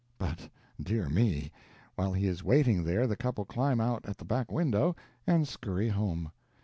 But, dear me, while he is waiting there the couple climb out at the back window and scurry home!